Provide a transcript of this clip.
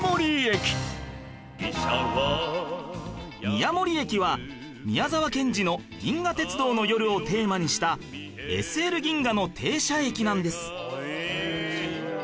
宮守駅は宮沢賢治の『銀河鉄道の夜』をテーマにした ＳＬ 銀河の停車駅なんです